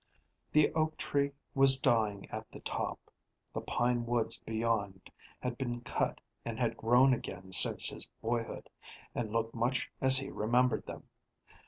The oak tree was dying at the top. The pine woods beyond had been cut and had grown again since his boyhood, and looked much as he remembered them.